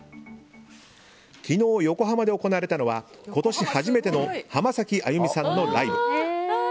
昨日、横浜で行われたのは今年初めての浜崎あゆみさんのライブ。